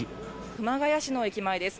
熊谷市の駅前です。